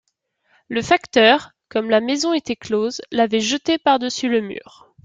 Le facteur, comme la maison était close, l'avait jeté par-dessus le mur.